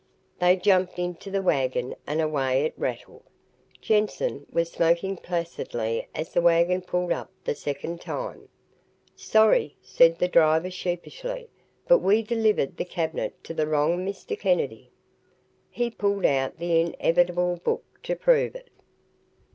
They jumped into the wagon and away it rattled. Jensen was smoking placidly as the wagon pulled up the second time. "Sorry," said the driver sheepishly, "but we delivered the cabinet to the wrong Mr. Kennedy." He pulled out the inevitable book to prove it.